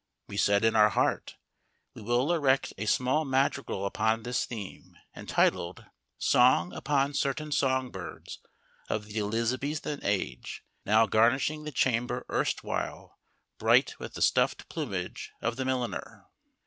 We said in our heart, we will erect a small madrigal upon this theme, entitled: "Song Upon Certain Songbirds of the Elizabethan Age Now Garnishing the Chamber Erstwhile Bright With the Stuffed Plumage of the Milliner."